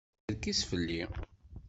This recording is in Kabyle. La yeskerkis fell-i.